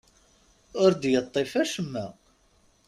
Ur d-yeṭṭif acemma.